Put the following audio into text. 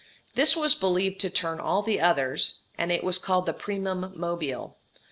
This was believed to turn all the others, and was called the primum mobile.